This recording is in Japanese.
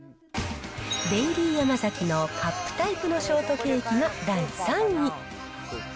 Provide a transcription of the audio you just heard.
デイリーヤマザキのカップタイプのショートケーキが第３位。